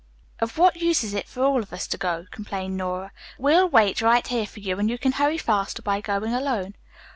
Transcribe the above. "Of what use is it for all of us to go," complained Nora. "We'll wait right here for you and you can hurry faster by going alone."